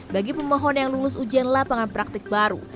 bagi pemohon yang lulus ujian lapangan praktik baru